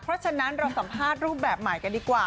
เพราะฉะนั้นเราสัมภาษณ์รูปแบบใหม่กันดีกว่า